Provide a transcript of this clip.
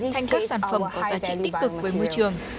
thành các sản phẩm có giá trị tích cực với môi trường